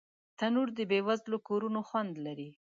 تنور د بې وزلو کورونو خوند لري